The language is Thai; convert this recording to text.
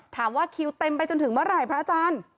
ถามว่าคิวเต็มไปจนถึงเมื่อไหร่พระอาจารย์